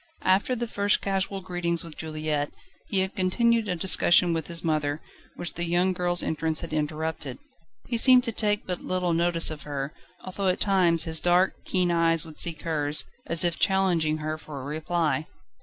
After the first casual greetings with Juliette, he had continued a discussion with his mother, which the young girl's entrance had interrupted. He seemed to take but little notice of her, although at times his dark, keen eyes would seek hers, as if challenging her for a reply.